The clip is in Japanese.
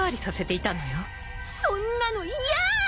［そんなの嫌！］